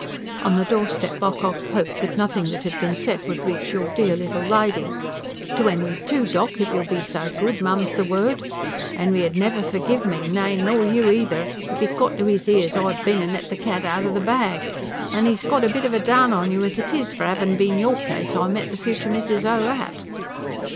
On the doorstep Ocock hoped that nothing that had been said would reach "your dear little lady." "To 'Enry, too, doc., if you'll be so good, mum's the word! 'Enry 'ud never forgive me, nay, or you eether, if it got to 'is 'ears I'd bin an' let the cat outer the bag. An' 'e's got a bit of a down on you as it is, for it 'avin' bin your place I met the future Mrs. O. at."